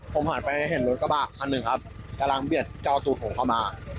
ผมหันไปเห็นรถกระบะคันหนึ่งครับกำลังเบียดเจ้าตัวผมเข้ามา